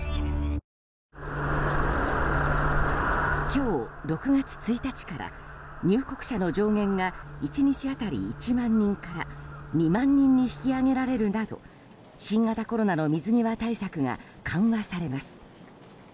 今日６月１日から入国者の上限が１日当たり１万人から２万人に引き上げられるなど新型コロナの水際対策が緩和されます。